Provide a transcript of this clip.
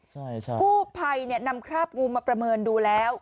ใช่ใช่กู้ภัยเนี่ยนำคราบงูมาประเมินดูแล้ว